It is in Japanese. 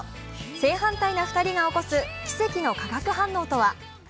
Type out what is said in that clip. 正反対な２人が起こす奇跡の化学反応とは。